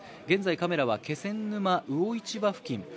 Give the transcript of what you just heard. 現在、カメラは気仙沼魚市場付近